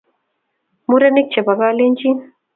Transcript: murenik chepo kalenjin